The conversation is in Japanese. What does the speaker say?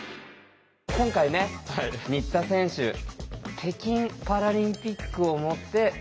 今回ね新田選手北京パラリンピックをもって。